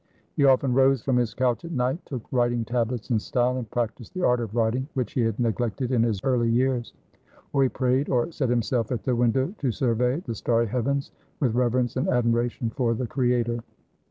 He often rose from his couch at night, took writing tablets and style, and practiced the art of writing, which he had neglected in his early years; or he prayed, or set himself at the window to survey the starry heavens with reverence and admiration for the Creator.